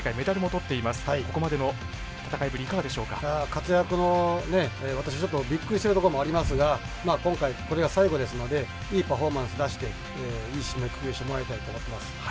活躍の私ちょっとびっくりしているところもありますが今回これが最後ですのでいいパフォーマンス出していい締めくくりしてもらいたいと思ってます。